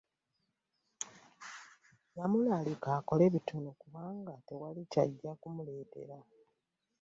Yamulalika akole bitono kubanga tewali kyaggya kumuletera